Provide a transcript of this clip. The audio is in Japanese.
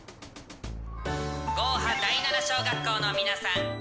ゴーハ第７小学校の皆さん